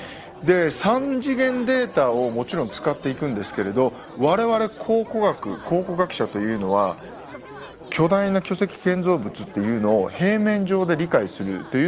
３次元データをもちろん使っていくんですけれど我々考古学考古学者というのは巨大な巨石建造物っていうのを平面上で理解するというのが基本になってます。